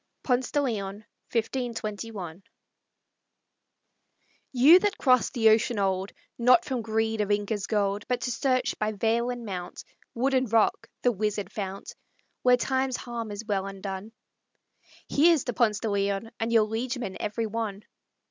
PONCE DE LEON You that crossed the ocean old, Not from greed of Inca's gold, But to search by vale and mount, Wood and rock, the wizard fount Where Time's harm is well undone, Here's to Ponce de Leon, And your liegemen every one!